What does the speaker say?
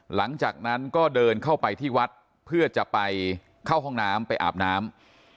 หลังจากนั้นก็เดินเข้าไปที่วัดเพื่อจะไปเข้าห้องน้ำไปอาบน้ำ